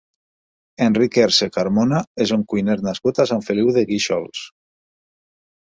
Enric Herce Carmona és un cuiner nascut a Sant Feliu de Guíxols.